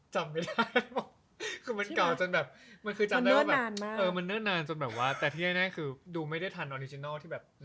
จำไม่ได้มันเก่าจนแบบมันเนิ่นนานจนแบบว่าแต่ที่ให้แน่คือดูไม่ได้ทันออนิเกินัลที่แบบ